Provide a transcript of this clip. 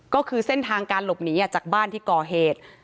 ก็คือเส้นทางการหลบหนีจากบ้านที่ก่อเหตุ